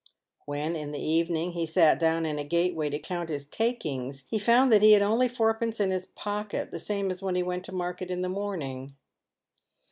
"When, in the evening, he sat down in a gateway to count his "takings," he found that he had only fourpence in his pocket, the same as when he went to market in the morning.